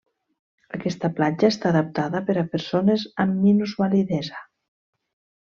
Aquesta platja està adaptada per a persones amb minusvalidesa.